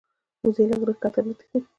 وزې له غره ښکته نه تښتي